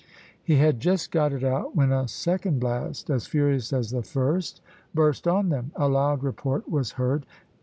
He had just got it out, when a second blast as furious as the first burst on them a loud report was heard.